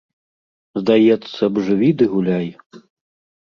Здаецца б, жыві ды гуляй.